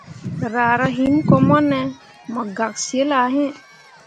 Raara him ko mone mu gak zilah iŋ.